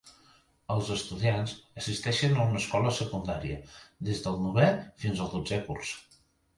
Els estudiants assisteixen a una escola secundària des del novè fins al dotzè curs.